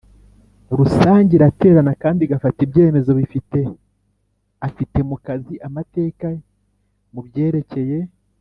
Rusange iraterana kandi igafata ibyemezo bifite afite mu kazi amateka ye mu byerekeye